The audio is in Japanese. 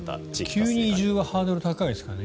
急に移住はハードルが高いですからね。